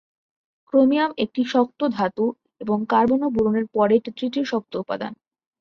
Chromium একটি শক্ত ধাতু এবং কার্বন ও বোরন এর পরে এটা তৃতীয় শক্ত উপাদান।